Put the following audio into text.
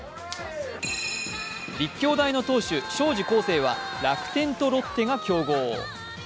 立教大の投手、荘司康誠は楽天とロッテが競合。